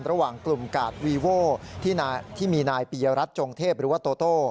ระหว่างกลุ่มกาดวีโว่ที่มีนายปียรัฐจงเทพหรือว่าโตโต้